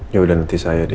yaudah nanti saya deh